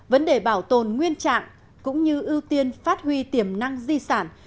vấn đề bảo tồn nguyên trạng cũng như ưu tiên phát huy tiềm năng di sản